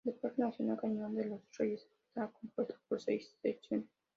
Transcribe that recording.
El parque nacional Cañón de los Reyes está compuesto por dos secciones.